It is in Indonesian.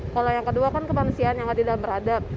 kalau yang kedua kan kemanusiaan yang tidak beradab